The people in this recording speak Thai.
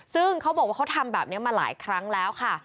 ซึ่งเขาบอกว่าเขาทำแบบนี้มาหลายครั้งแล้วค่ะ